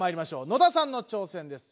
野田さんの挑戦です。